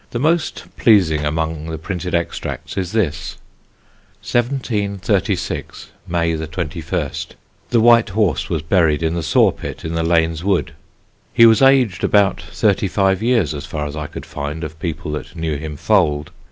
The most pleasing among the printed extracts is this: "1736, May the 21st. The white horse was buried in the saw pit in the Laine's wood. He was aged about thirty five years, as far as I could find of people that knew him foaled.